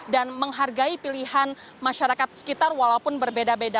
dan menghargai pilihan masyarakat sekitar walaupun berbeda beda